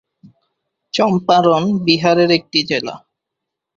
চম্পারণ বিহার এর একটি জেলা।